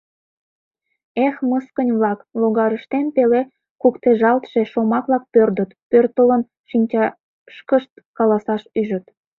«Эх, мыскынь-влак!..» — логарыштем пеле куктежалтше шомак-влак пӧрдыт, пӧртылын, шинчашкышт каласаш ӱжыт.